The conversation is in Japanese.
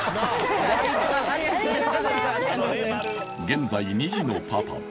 現在２児のパパ